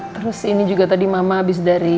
terus ini juga tadi mama habis dari